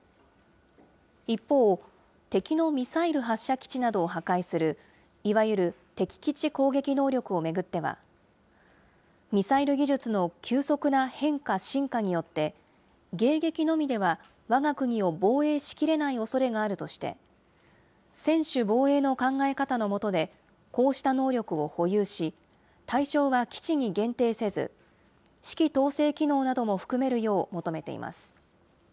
一方、敵のミサイル発射基地などを破壊する、いわゆる敵基地攻撃能力を巡っては、ミサイル技術の急速な変化・進化によって、迎撃のみではわが国を防衛しきれないおそれがあるとして、専守防衛の考え方の下で、こうした能力を保有し、対象は基地に限定せず、指揮統制機能なども含めるよう求めています。